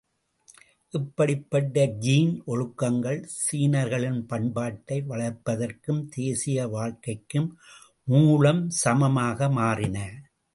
இப்படிப்படிப்பட்ட ஜீன் ஒழுக்கங்கள், சீனர்களின் பண்பாட்டை வளர்ப்பதற்கும், தேசிய வாழ்க்கைக்கும், மூலாம்சமாக மாறின.